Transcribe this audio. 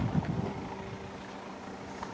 tol trans sumatera